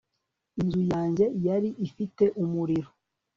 inzu yanjye yari ifite umuriro